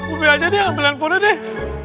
ube aja deh ambil handphone deh